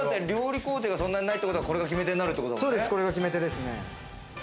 料理工程がそんなにないってことは、これが決め手になるってそうです、これが決め手ですね。